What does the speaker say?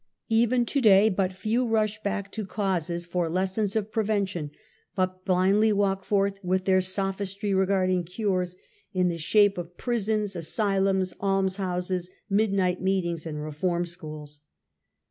Even to day but few rush back to causes for lessons of prevention but blindly walk forth with their sophistry regarding cures, in the shape of prisons, asylums, almshouses, midnight meetings and reform schools.